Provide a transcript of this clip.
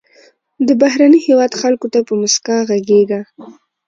د بهرني هېواد خلکو ته په موسکا غږیږه.